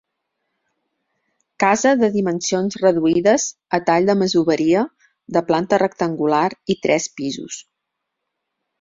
Casa de dimensions reduïdes, a tall de masoveria, de planta rectangular i tres pisos.